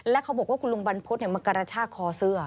และเขาบอกว่าคุณลุงบรรพฤษมากระชากคอเสื้อ